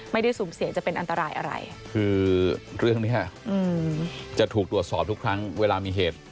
ไม่ได้สูญเสียจะเป็นอันตรายอะไรคือเรื่องนี้จะถูกตรวจสอบทุกครั้งเวลามีเหตุ